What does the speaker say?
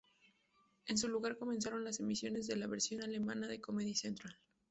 En su lugar, comenzaron las emisiones de la versión alemana de Comedy Central.